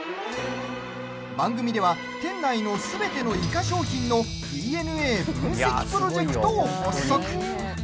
番組では店内のすべてのイカ商品のＤＮＡ分析プロジェクトを発足。